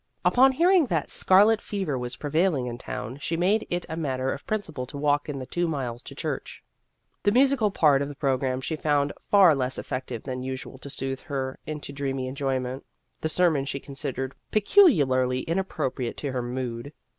Upon hearing that scar let fever was prevailing in town, she made it a matter of principle to walk in the two miles to church. The musical part of the program she found far less effective than usual to soothe her into dreamy enjoy ment ; the sermon she considered pe culiarly inappropriate to her mood.